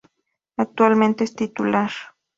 Actualmente es titular.